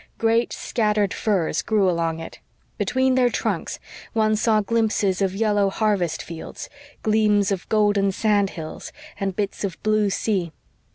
Great, scattered firs grew along it. Between their trunks one saw glimpses of yellow harvest fields, gleams of golden sand hills, and bits of blue sea.